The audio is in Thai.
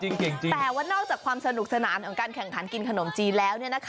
จริงแต่ว่านอกจากความสนุกสนานของการแข่งขันกินขนมจีนแล้ว